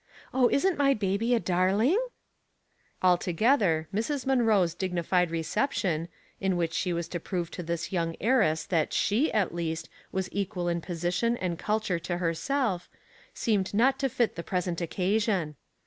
Oh, isn't my baby a darling ?'* Altogether, Mrs. Munroe's dignified reception, in which she was to prove to this young heiress that sAg, at least, was equal in position and culture to herself, seemed not to fit the present occasion.